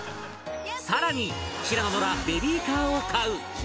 更に平野ノラベビーカーを買う